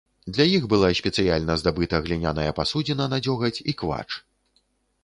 Для іх была спецыяльна здабыта гліняная пасудзіна на дзёгаць і квач.